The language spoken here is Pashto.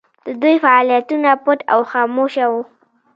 د دوی فعالیتونه پټ او خاموشه وو.